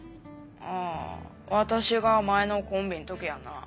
あ私が前のコンビん時やんな。